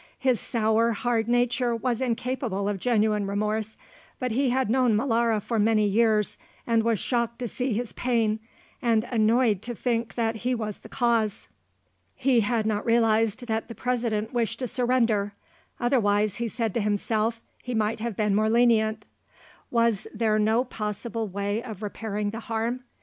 His sour, hard nature was incapable of genuine remorse, but he had known Molara for many years and was shocked to see his pain, and annoyed to think that he was the cause. He had not realised that the President wished to surrender; otherwise, he said to himself, he might have been more lenient. Was there no possible way of repairing the harm?